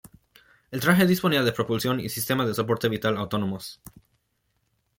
El traje disponía de propulsión y sistema de soporte vital autónomos.